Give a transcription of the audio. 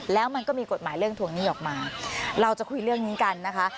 แล้วมันก็มีกฎหมายเรื่องทวงหนี้ออกมาเราจะคุยเรื่องนี้กันนะคะ